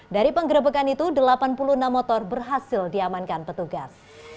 dari penggerebekan itu delapan puluh enam motor berhasil diamankan petugas